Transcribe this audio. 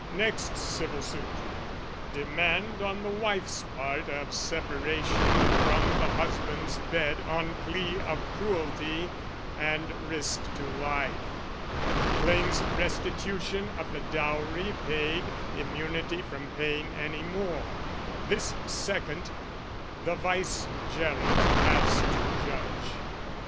Next civil suit, demand on the wife's part Of separation from the husband's bed On plea of cruelty and risk to life Claims restitution of the dowry paid, Immunity from paying any more: This second, the Vicegerent has to judge.